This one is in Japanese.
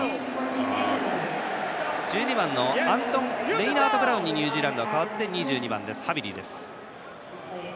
１２番のアントン・レイナートブラウンにニュージーランドは代わって２２番のハビリ。